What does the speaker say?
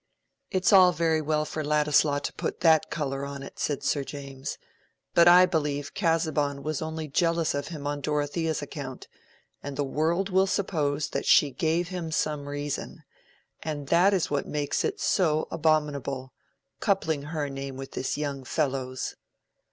"It's all very well for Ladislaw to put that color on it," said Sir James. "But I believe Casaubon was only jealous of him on Dorothea's account, and the world will suppose that she gave him some reason; and that is what makes it so abominable—coupling her name with this young fellow's."